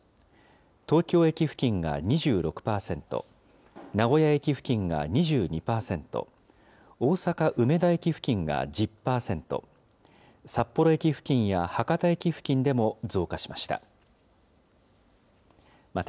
東京駅付近が２６％、名古屋駅付近が２２％、大阪梅田駅付近が１０％、札幌駅付近や博多駅付近でも増加しました。